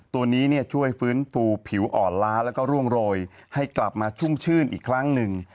ตัวนี้ช่วยฟื้นฟูผิวอ่อนล้าแล้วก็ร่วงโรยให้กลับมาชุ่มชื่นอีกครั้งหนึ่ง